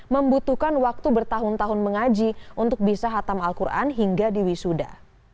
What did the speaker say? membutuhkan waktu bertahun tahun mengaji untuk bisa hatam al quran hingga di wisuda